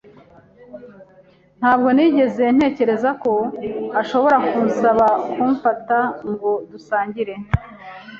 Ntabwo nigeze ntekereza ko ashobora kunsaba kunfata ngo dusangire.